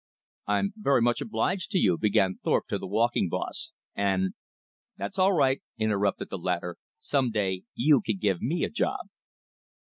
"I'm very much obliged to you," began Thorpe to the walking boss, "and " "That's all right," interrupted the latter, "some day you can give me a job."